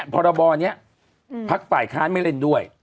พรบนี้พักฝ่ายค้านไม่เล่นด้วย